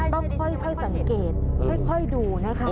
ต้องค่อยสังเกตค่อยดูนะคะ